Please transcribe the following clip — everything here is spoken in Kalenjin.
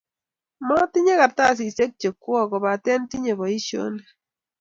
matinye kartasishek chokwok kopate tinye poishonik